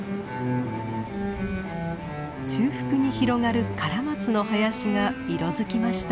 中腹に広がるカラマツの林が色づきました。